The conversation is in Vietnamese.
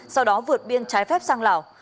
sau đó vượt biên trái phép sang lào